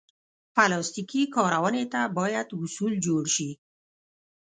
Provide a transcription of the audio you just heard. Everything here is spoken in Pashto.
پلاستيکي کارونې ته باید اصول جوړ شي.